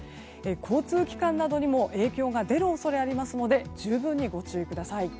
交通機関などにも影響が出る恐れがありますので十分にご注意ください。